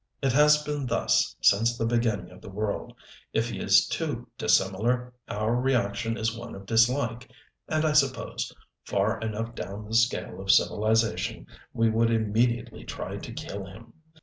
It has been thus since the beginning of the world if he is too dissimilar, our reaction is one of dislike, and I suppose, far enough down the scale of civilization, we would immediately try to kill him.